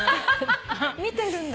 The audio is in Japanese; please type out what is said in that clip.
見てるんだね。